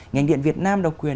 ngành điện việt nam độc quyền